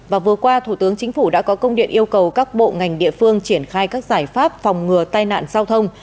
và vừa qua thủ tướng chính phủ đã có công điện yêu cầu các bộ ngành địa phương triển khai các giải pháp phòng ngừa tai nạn giao thông